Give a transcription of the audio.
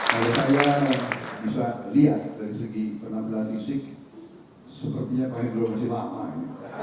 saya bisa lihat dari segi penampilan fisik sepertinya pak heru masih lama